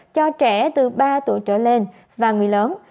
cho trẻ từ ba tuổi trở lên và người lớn